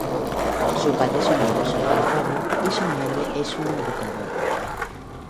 Su padre es un inversor bancario y su madre es una educadora.